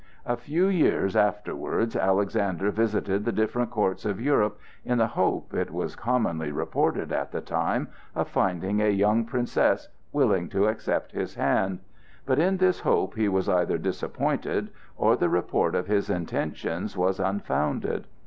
A few years afterwards Alexander visited the different courts of Europe, in the hope, it was commonly reported at the time, of finding a young princess willing to accept his hand; but in this hope he was either disappointed, or the report of his intentions was unfounded.